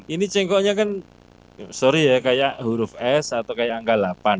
ini cengkoknya kan sorry ya kayak huruf s atau kayak angka delapan